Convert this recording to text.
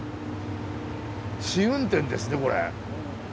試運転ですねこれ。